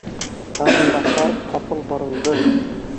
Арынбаҫаров ҡапыл боролдо: